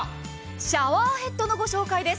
シャワーヘッドのご紹介です。